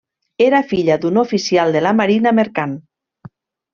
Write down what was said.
Era filla d'un oficial de la marina mercant.